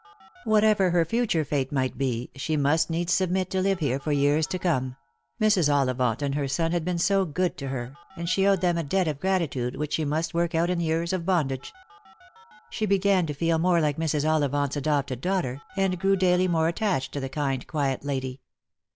Whatever her future fate might be, she must needs submit to live here for years to come ; Mrs. Ollivant and her son had been so good to her, and she owed them a debt of gratitude which she must work out in years of bondage. She began to feel more like Mrs. Ollivant's adopted daughter, and grew daily more attached to the kind quiet lady.